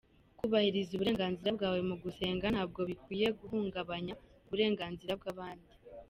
Kubahiriza uburenganzira bwawe mu gusenga ntabwo bikwiye guhungabanya uburenganzira bw’abandi.